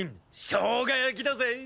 しょうが焼きだぜ！